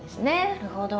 なるほど。